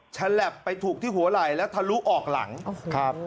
ฉลับไปถูกที่หัวไหล่แล้วทะลุออกหลังครับ